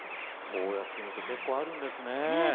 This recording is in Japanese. こうやって見ると結構、あるんですね。